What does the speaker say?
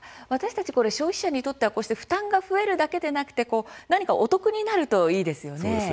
消費者にとっては負担が増えるだけではなくお得になるといいですよね。